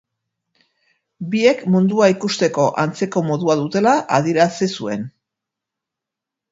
Biek mundua ikusteko antzeko modua dutela adierazi zuen: